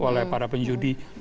oleh para penjudi